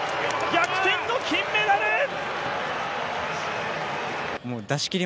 逆転の金メダル。